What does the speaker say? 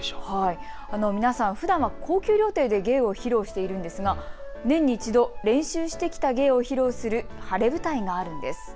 皆さん、ふだんは高級料亭で芸を披露しているんですが年に１度、練習してきた芸を披露する晴れ舞台があるんです。